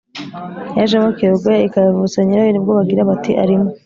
yajemo kirogoya ikayavutsa nyirayo ni bwo bagira bati: “Arimo